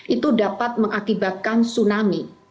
itu dapat mengakibatkan tsunami